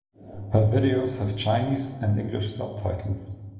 Her videos have Chinese and English subtitles.